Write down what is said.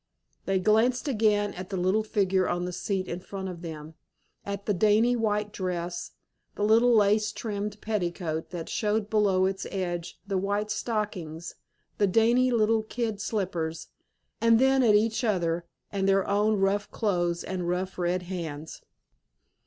They glanced again at the little figure on the seat in front of them; at the dainty white dress, the little lace trimmed petticoat that showed below its edge, the white stockings, the dainty little kid slippers, and then at each other and their own rough clothes and rough red hands.